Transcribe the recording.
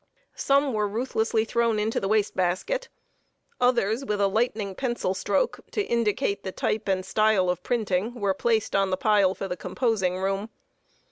Some were ruthlessly thrown into the waste basket. Others, with a lightning pencil stroke, to indicate the type and style of printing, were placed on the pile for the composing room.